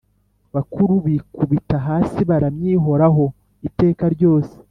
bakuru bikubita hasi baramya Ihoraho iteka ryose